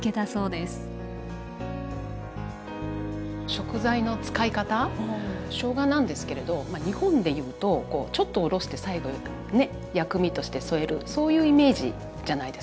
食材の使い方しょうがなんですけれど日本でいうとちょっとおろして最後ね薬味として添えるそういうイメージじゃないですか。